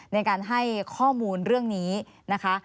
ในการให้ข้อมูลเรื่องนี้นะคะ